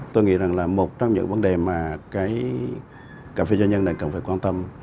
tôi nghĩ là một trong những vấn đề mà cà phê doanh nhân này cần phải quan tâm